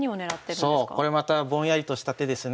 そうこれまたぼんやりとした手ですね。